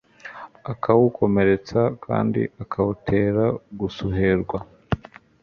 akawukomeretsa, kandi akawutera gusuherwa